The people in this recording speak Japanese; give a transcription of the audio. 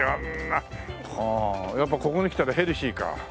ああやっぱここに来たらヘルシーか。